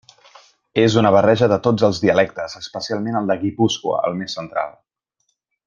És una barreja de tots els dialectes, especialment el de Guipúscoa, el més central.